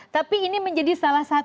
tapi ini menjadi salah satu